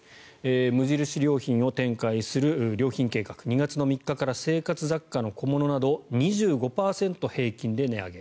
無印良品を展開する良品計画２月３日から生活雑貨の小物など２５％平均で値上げ。